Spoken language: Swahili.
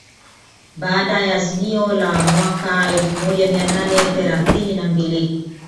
Baada ya azimio la mwaka wa elfu moja mia nane thelathini na mbili